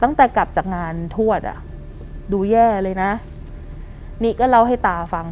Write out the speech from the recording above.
ตั้งแต่กลับจากงานทวดอ่ะดูแย่เลยนะนี่ก็เล่าให้ตาฟัง